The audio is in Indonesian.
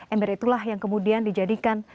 ember itulah yang kemudian dijadikan